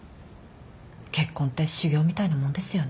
結婚って修行みたいなもんですよね。